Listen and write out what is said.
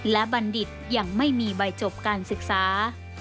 และบัณฑิตยังไม่มีใบจบการศึกษา